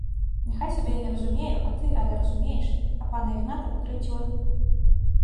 — Няхай сабе я не разумею, а ты, Аля, разумееш, а пана Ігната пакрыўдзіла…